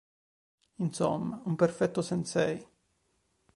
Insomma un perfetto sensei.